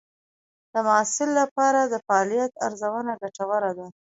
د محصل لپاره د فعالیت ارزونه ګټوره ده.